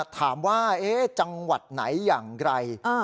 ถามว่าจังหวัดไหนอย่างไร